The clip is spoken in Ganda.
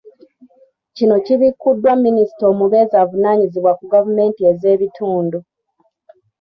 Kino kibikkuddwa Minisita omubeezi avunaanyizibwa ku gavumenti ez’ebitundu.